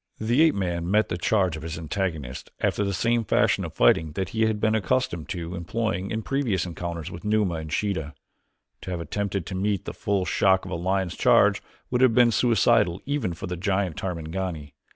The ape man met the charge of his antagonist after the same fashion of fighting that he had been accustomed to employing in previous encounters with Numa and Sheeta. To have attempted to meet the full shock of a lion's charge would have been suicidal even for the giant Tarmangani.